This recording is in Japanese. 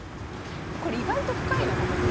これ意外と深いなこのルール。